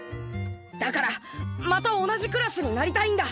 だからまた同じクラスになりたいんだ！